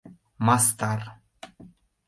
— Мастар!